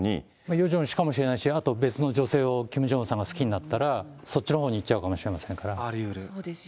ヨジョン氏かもしれないし、別の女性をキム・ジョンウンさんが好きになったら、そっちのほうに行っちゃうかもしれないですかそうですよ。